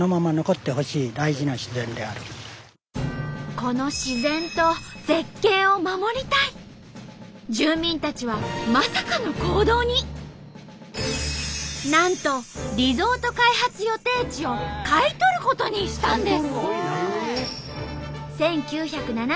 この住民たちはなんとリゾート開発予定地を買い取ることにしたんです。